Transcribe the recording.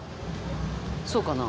そうかな？